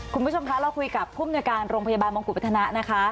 คุณผู้ชมคะเราคุยกับผู้มนุยการโรงพยาบาลมงกุฎพัฒนะนะคะ